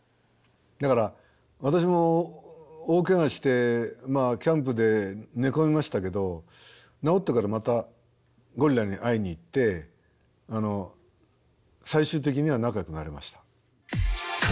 だから私も大ケガしてキャンプで寝込みましたけど治ってからまたゴリラに会いに行って最終的には仲よくなりました。